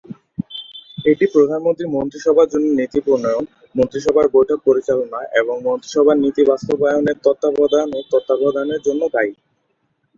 এটি প্রধানমন্ত্রীর মন্ত্রিসভার জন্য নীতি প্রণয়ন, মন্ত্রিসভার বৈঠক পরিচালনা এবং মন্ত্রিসভার নীতি বাস্তবায়নের তত্ত্বাবধান ও তত্ত্বাবধানের জন্য দায়ী।